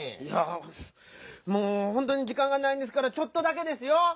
いやもうほんとにじかんがないんですからちょっとだけですよ！